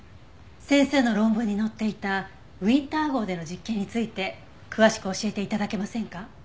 先生の論文に載っていたウィンター号での実験について詳しく教えて頂けませんか？